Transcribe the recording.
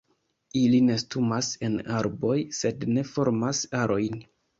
Ili nestumas en arboj, sed ne formas arojn.